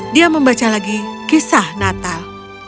dia membaca lagi kisah natal